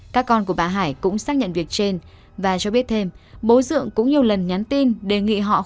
các con của bà hải cũng xác nhận việc trên và cho biết thêm bố dượng cũng nhiều lần nhắn tin đề nghị họ khuyên nhủ mẹ trả tiền cho ông ta